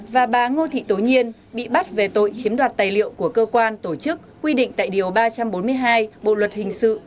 và bà ngô thị tố nhiên bị bắt về tội chiếm đoạt tài liệu của cơ quan tổ chức quy định tại điều ba trăm bốn mươi hai bộ luật hình sự